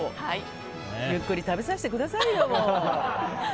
ゆっくり食べさせてくださいよ。